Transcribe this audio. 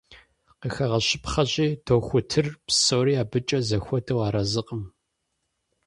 Къыхэгъэщыпхъэщи, дохутыр псори абыкӀэ зэхуэдэу арэзыкъым.